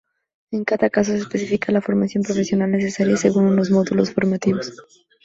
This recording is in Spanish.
En cada caso, se especifica la formación profesional necesaria según unos módulos formativos.